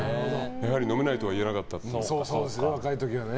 やはり飲めないとは言えなかったです。